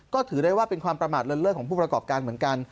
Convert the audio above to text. ก็ถือได้ว่าเป็นความประมาทเลินเลิศของผู้ประกอบการเหมือนกัน